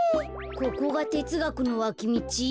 ここがてつがくのわきみち？